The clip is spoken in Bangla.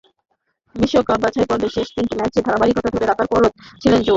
বিশ্বকাপ বাছাইপর্বের শেষ তিনটি ম্যাচে ধারাবাহিকতা ধরে রাখার ওপরও দিলেন জোর।